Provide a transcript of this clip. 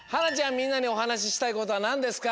みんなにおはなししたいことはなんですか？